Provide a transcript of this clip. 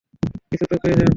কিছু তো খেয়ে যান।